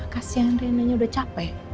kasian renanya udah capek